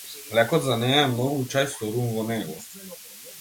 Лекот за неа е многу чај со рум во него.